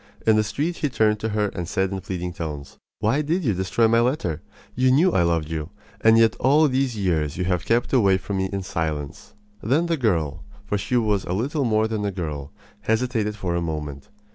In the street he turned to her and said in pleading tones: "Why did you destroy my letter? You knew I loved you, and yet all these years you have kept away from me in silence." Then the girl for she was little more than a girl hesitated for a moment.